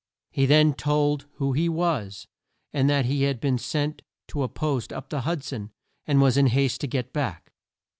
He then told who he was, and that he had been sent to a post up the Hud son and was in haste to get back.